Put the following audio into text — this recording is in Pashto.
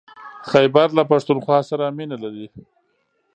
خيبر له پښتونخوا سره مينه لري.